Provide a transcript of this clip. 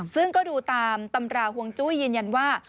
ซึ่งก็ดูตามตำราห่วงจุ้ยยืนยันว่า